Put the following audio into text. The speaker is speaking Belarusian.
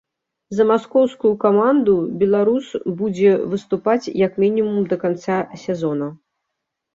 За маскоўскую каманду беларус будзе выступаць як мінімум да канца сезона.